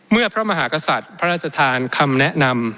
พระมหากษัตริย์พระราชทานคำแนะนำ